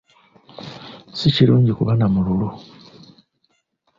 Si kirungi kuba na mululu.